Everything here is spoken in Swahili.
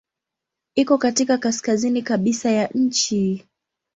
Iko katika kaskazini kabisa ya nchi.